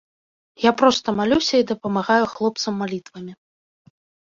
Я проста малюся і дапамагаю хлопцам малітвамі.